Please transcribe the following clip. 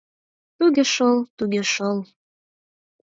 — Туге шол, туге шол...